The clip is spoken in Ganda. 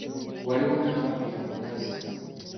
Waliwo n'ababbi abakazi.